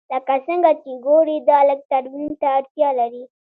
لکه څنګه چې ګورې دا لږ ترمیم ته اړتیا لري